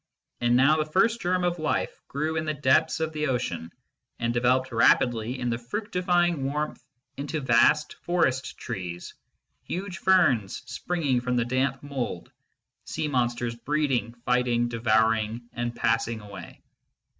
And now the first germ of life grew in the depths of the ocean, and developed rapidly in the fructifying warmth into vast forest trees, huge ferns springing from the damp mould, sea monsters breeding, fighting, devouring, and passing away.